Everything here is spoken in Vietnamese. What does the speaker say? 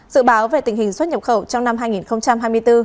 dự báo về tình hình xuất nhập khẩu trong năm hai nghìn hai mươi bốn